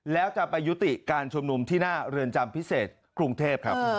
แล้วจะไปยุติการชุมนุมที่หน้าเรือนจำพิเศษกรุงเทพครับ